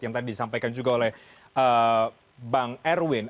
yang tadi disampaikan juga oleh bang erwin